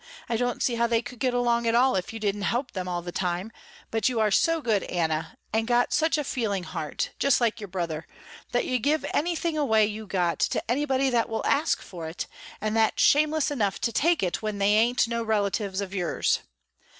I don't see how they could get along at all if you didn't help them all the time, but you are so good Anna, and got such a feeling heart, just like your brother, that you give anything away you got to anybody that will ask you for it, and that's shameless enough to take it when they ain't no relatives of yours.